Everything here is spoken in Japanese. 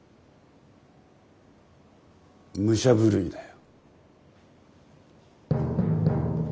武者震いだよ。